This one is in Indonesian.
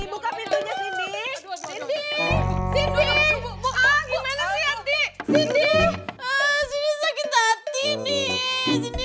cindy kamu jangan bunuh diri dong cindy